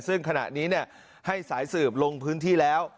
ซึ่งขณะนี้ให้สายสืบลงพื้นที่แล้ว